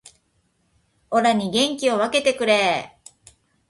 オラに元気を分けてくれー